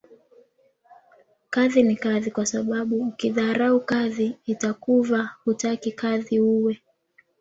Kadhi ni kadhi kwasababu ukidharau kadhi itakuva hutaki kadhi uwe.